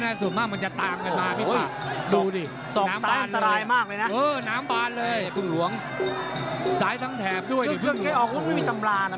อาจจะน๊อบตามกรุ่วแรกไปก็ได้